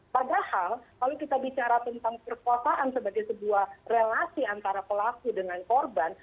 padahal kalau kita bicara tentang perkosaan sebagai sebuah relasi antara pelaku dengan korban